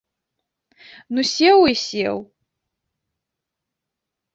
Ну сеў і сеў.